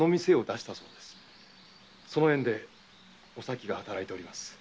その縁でお咲が働いております。